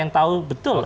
yang tahu betul